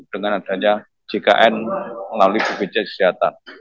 dengan adanya jkn melalui bpjs kesehatan